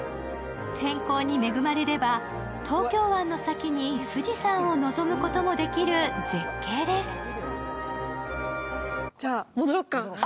天候に恵まれれば東京湾の先に富士山を臨むこともできる絶景です。